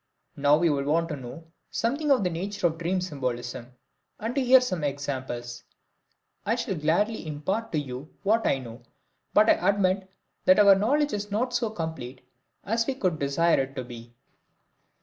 Now you will want to know something of the nature of dream symbolism, and to hear some examples. I shall gladly impart to you what I know, but I admit that our knowledge is not so complete as we could desire it to be.